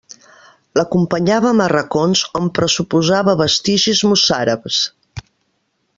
L'acompanyàvem a racons on pressuposava vestigis mossàrabs.